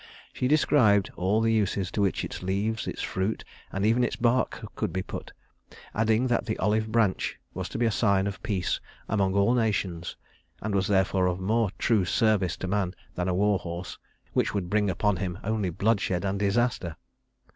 She described all the uses to which its leaves, its fruit, and even its bark could be put, adding that the olive branch was to be a sign of peace among all nations, and was therefore of more true service to man than a war horse, which would bring upon him only bloodshed and disaster.